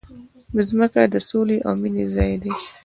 مځکه د سولې او مینې ځای ده.